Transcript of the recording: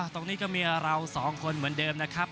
ตรงนี้ก็มีเราสองคนเหมือนเดิมนะครับ